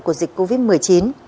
của dịch covid một mươi chín